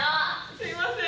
すみません。